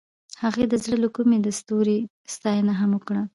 هغې د زړه له کومې د ستوري ستاینه هم وکړه.